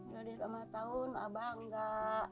dari lima tahun abah nggak